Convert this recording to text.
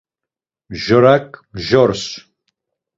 Mjorak mjors.